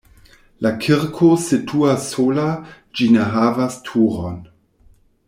La kirko situas sola, ĝi ne havas turon.